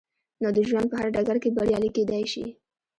نو د ژوند په هر ډګر کې بريالي کېدای شئ.